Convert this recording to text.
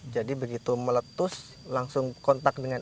jadi begitu meletus langsung kontak dengan air